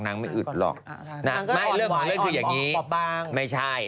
น้างก็อ่อนบอกกว่าบางไม่เรื่องของเรื่องคืออย่างนี้ไม่ใช่